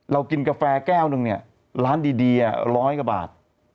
เรากินกาแฟแก้วหนึ่งเนี่ยร้านดีร้อยกว่าบาท